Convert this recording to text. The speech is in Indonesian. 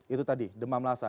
itu tadi demam lhasa